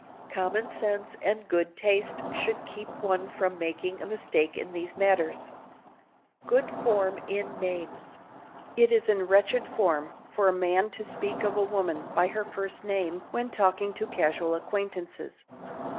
Common sense and good taste should keep one from making a mistake in these matters. [Sidenote: GOOD FORM IN NAMES] It is in wretched form for a man to speak of a woman by her first name when talking to casual acquaintances.